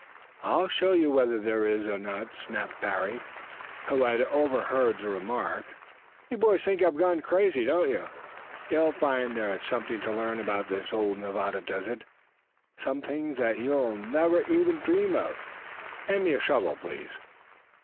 "I'll show you whether there is or not," snapped Parry, who had overheard the remark. "You boys think I have gone crazy, don't you? You'll find there is something to learn about this old Nevada Desert some things that you never even dreamed of. Hand me a shovel, please."